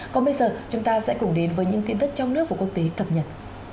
còn bây giờ chúng ta sẽ cùng đến với những tin tức trong nước và quốc tế cập nhật